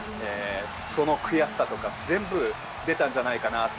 その悔しさとか、全部出たんじゃないかなって。